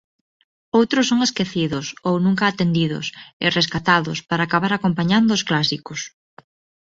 Outros son esquecidos, ou nunca atendidos, e rescatados, para acabar acompañando os clásicos.